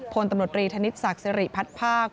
พลตำรวจรีธนิษฐศักดิ์สิริพัฒน์ภาค